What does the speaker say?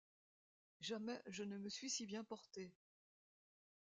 Jamais je ne me suis si bien porté!